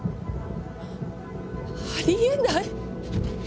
ありえない。